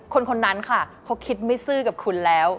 คนคนนั้นค่ะเขาคิดไม่ซื่อกับคุณแล้ว